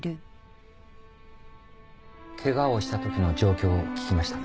ケガをしたときの状況を聞きました。